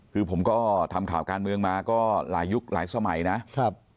คือผมก็ทำข่าวการเมืองมาก็หลายยุคหลายสมัยนะครับ